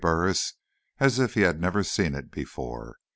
Burris as if he'd never seen it before.